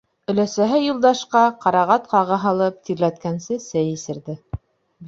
Өләсәһе Юлдашҡа, ҡарағат ҡағы һалып, тирләткәнсе сәй эсерҙе.